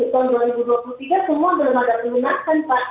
kalau untuk tahun dua ribu dua puluh tiga semua belum ada pelunasan pak